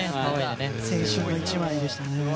青春の１枚でしたね。